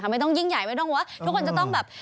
ไม่ต้องยิ่งใหญ่ไม่ต้องว่าทุกคนจะต้องแบบ